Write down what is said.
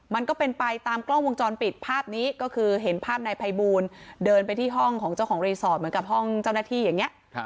มันก็เป็นไปตามกล้องวงจรปิดภาพนี้ก็คือเห็นภาพนายภัยบูลเดินไปที่ห้องของเจ้าของรีสอร์ทเหมือนกับห้องเจ้าหน้าที่อย่างนี้